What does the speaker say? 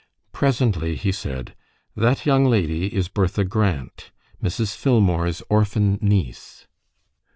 Presently he said, "That young lady is Bertha Grant, Mrs. Filmore's orphan niece.